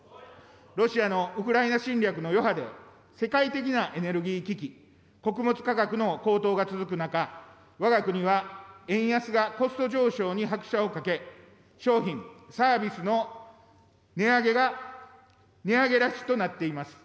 ロシアのウクライナ侵略の余波で世界的なエネルギー危機、穀物価格の高騰が続く中、わが国は円安がコスト上昇に拍車をかけ、商品、サービスの値上げラッシュとなっています。